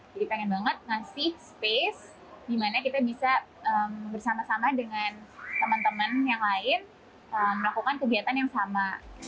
jadi pengen banget ngasih space di mana kita bisa bersama sama dengan teman teman yang lain melakukan kegiatan yang sama